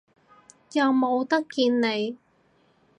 又冇得見你